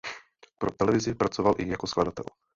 Pro televizi pracoval i jako skladatel.